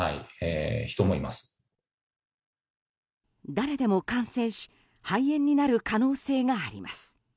誰でも感染し肺炎になる可能性があります。